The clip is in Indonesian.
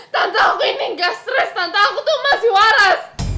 tante aku ini nggak stres tante aku tuh masih waras